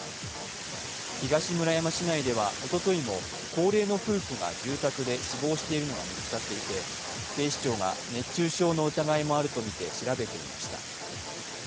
東村山市内では、おとといも高齢の夫婦が死亡しているのが見つかっていて警視庁が熱中症の疑いもあるとみて調べていました。